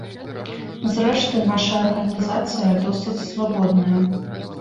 Зрэшты, наша арганізацыя досыць свабодная.